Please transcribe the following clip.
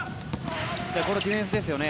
このディフェンスですね。